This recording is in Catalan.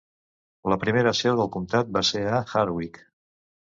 La primera seu del comtat va ser a Hardwick.